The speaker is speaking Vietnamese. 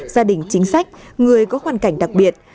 gia đình chính sách người có hoàn cảnh đặc biệt